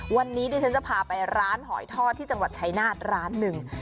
วันนี้ดิฉันจะพาไปร้านหอยทอดที่จังหวัดชายนาฏร้านหนึ่ง